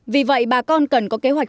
vì vậy bà con cần có kế hoạch